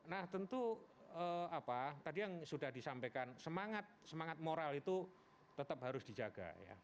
nah tentu apa tadi yang sudah disampaikan semangat moral itu tetap harus dijaga ya